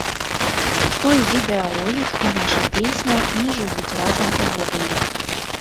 Той відэаролік і наша песня не жывуць разам увогуле.